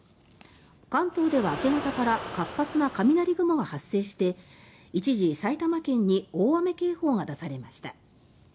関東では明け方から活発な雷雲が発生して一時、埼玉県に大雨警報が出されました。